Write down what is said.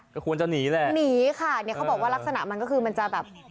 ก็ควรจะหนีแหละหนีค่ะเนี่ยเขาบอกว่าลักษณะมันก็คือมันจะแบบ